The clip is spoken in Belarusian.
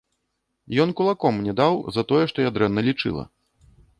Ён кулаком мне даў за тое, што я дрэнна лічыла.